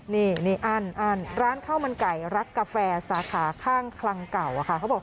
นี่อ้านอ้านร้านข้าวมันไก่รักกาแฟสาขาข้างคังเก่าค่ะ